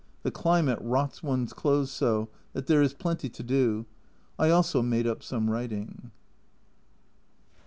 The climate rots one's clothes so, that there is plenty to do. I also made up some writing.